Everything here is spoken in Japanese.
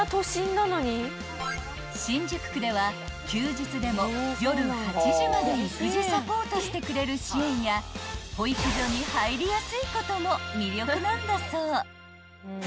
［新宿区では休日でも夜８時まで育児サポートしてくれる支援や保育所に入りやすいことも魅力なんだそう］